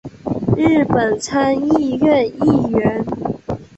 日本参议院议员。